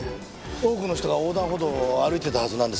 多くの人が横断歩道を歩いてたはずなんですけれど。